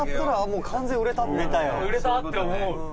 売れたって思う！